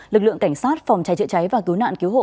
lực lượng cảnh sát phòng cháy chữa cháy và cứu nạn cứu hộ